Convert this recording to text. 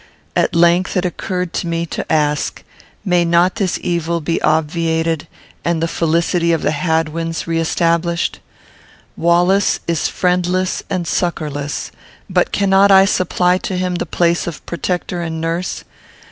At length it occurred to me to ask, May not this evil be obviated, and the felicity of the Hadwins re established? Wallace is friendless and succourless; but cannot I supply to him the place of protector and nurse?